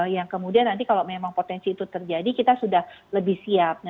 yang kemudian nanti kalau memang potensi itu terjadi kita sudah lebih siap